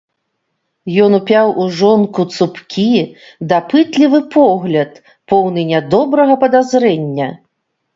Ён упяў у жонку цупкі, дапытлівы погляд, поўны нядобрага падазрэння.